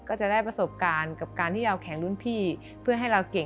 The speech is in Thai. ก็จะได้ประสบการณ์กับการที่เราแข่งรุ่นพี่เพื่อให้เราเก่ง